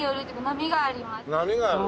波がある。